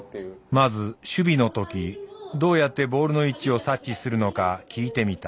まず守備の時どうやってボールの位置を察知するのか聞いてみた。